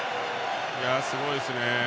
すごいですね。